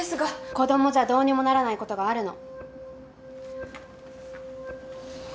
子どもじゃどうにもならないことがあるの。